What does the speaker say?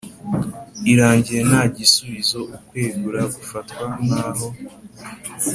irangiye nta gisubizo ukwegura gufatwa nk aho